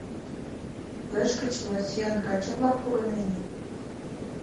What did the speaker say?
Тышке чыла сӱан каче-влак погыненыт.